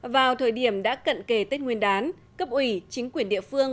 vào thời điểm đã cận kề tết nguyên đán cấp ủy chính quyền địa phương